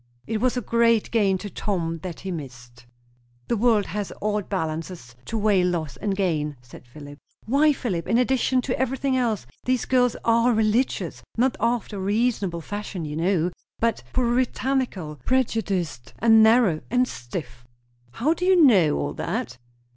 "It was a great gain to Tom that he missed." "The world has odd balances to weigh loss and gain!" said Philip. "Why, Philip, in addition to everything else, these girls are religious; not after a reasonable fashion, you know, but puritanical; prejudiced, and narrow, and stiff." "How do you know all that?"